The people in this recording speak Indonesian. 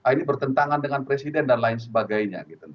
ini bertentangan dengan presiden dan lain sebagainya